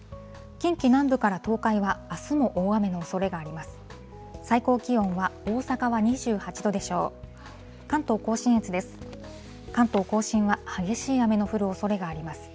近畿南部から東海はあすも大雨のおそれがあります。